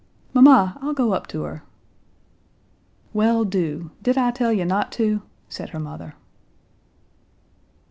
"Mamma, I'll go up to her." "Well, do. Did I tell you not to?" said her mother.